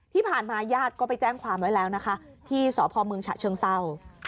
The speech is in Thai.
ญาติก็ไปแจ้งความไว้แล้วนะคะที่สพเมืองฉะเชิงเศร้า